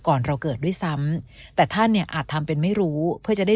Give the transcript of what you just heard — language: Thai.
ก่อนเราเกิดด้วยซ้ำแต่ท่านเนี่ยอาจทำเป็นไม่รู้เพื่อจะได้